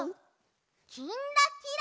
「きんらきら」。